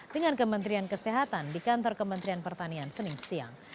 dengan kementerian kesehatan di kantor kementerian pertanian senin siang